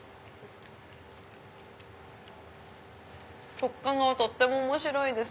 食感がとっても面白いです。